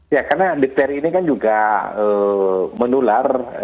ya karena dipteri ini kan juga menular